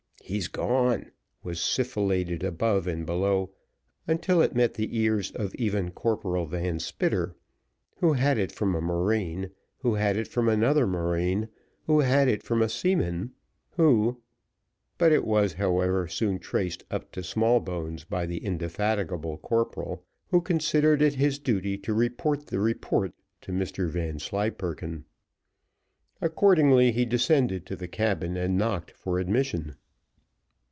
"He's gone," was sibilated above and below, until it met the ears of even Corporal Van Spitter, who had it from a marine, who had it from another marine, who had it from a seaman, who but it was, however, soon traced up to Smallbones by the indefatigable corporal who considered it his duty to report the report to Mr Vanslyperken. Accordingly he descended to the cabin and knocked for admission.